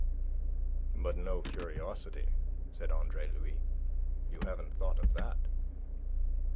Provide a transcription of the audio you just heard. "But no curiosity," said Andre Louis. "You haven't thought of that."